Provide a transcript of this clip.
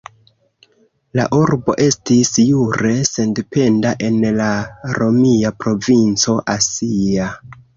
La urbo estis jure sendependa en la romia provinco Asia.